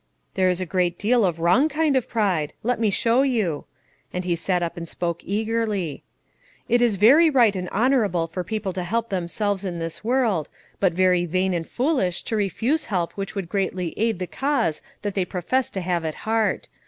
"There is a great deal of wrong kind of pride. Let me show you;" and he sat up and spoke eagerly. "It is right and honourable for people to help themselves in this world, but very vain and foolish to refuse help which would greatly aid the cause that they profess to have at heart.